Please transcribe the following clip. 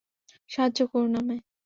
সাহায্য করুন আমায়।